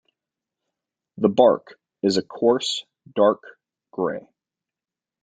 The bark is a coarse, dark gray.